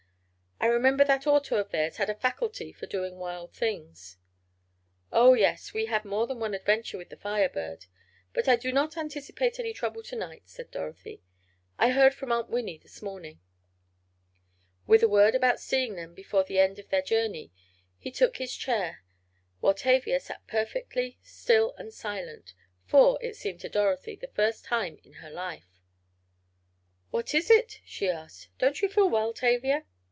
I remember that auto of theirs had a faculty for doing wild things." "Oh, yes. We had more than one adventure with the Fire Bird. But I do not anticipate any trouble to night," said Dorothy. "I heard from Aunt Winnie this morning." With a word about seeing them before the end of their journey, he took his chair, while Tavia sat perfectly still and silent, for, it seemed to Dorothy, the first time in her life. "What is it?" she asked. "Don't you feel well, Tavia?"